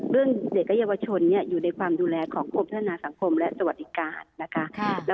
เรื่องเด็กและเยาวชนอยู่ในความดูแลของกรมพัฒนาสังคมและสวัสดิการนะคะ